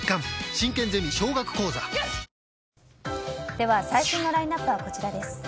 では最新のラインアップはこちらです。